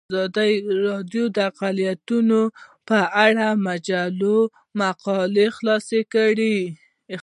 ازادي راډیو د اقلیتونه په اړه د مجلو مقالو خلاصه کړې.